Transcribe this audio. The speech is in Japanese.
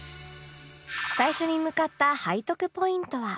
最初に向かった背徳ポイントは